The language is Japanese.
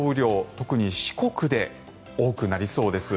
特に四国で多くなりそうです。